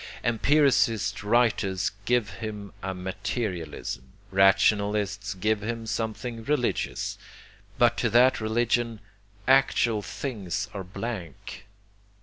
Empiricist writers give him a materialism, rationalists give him something religious, but to that religion "actual things are blank."